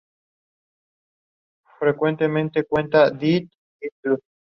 Fue la primera israelí en conquistar dicha corona.